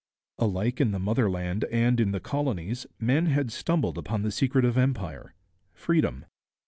Alike in the motherland and in the colonies men had stumbled upon the secret of empire freedom.